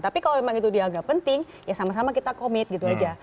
tapi kalau memang itu dianggap penting ya sama sama kita komit gitu aja